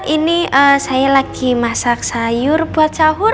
ini saya lagi masak sayur buat sahur